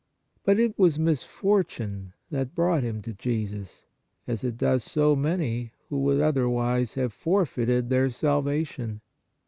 But it was mis fortune that brought him to Jesus, as it does so many who would otherwise have forfeited their salvation.